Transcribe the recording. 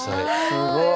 すごい！